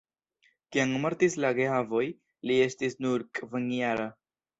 Kiam mortis la geavoj, li estis nur kvinjara.